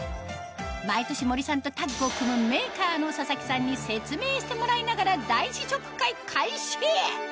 毎年森さんとタッグを組むメーカーの佐々木さんに説明してもらいながら大試食会開始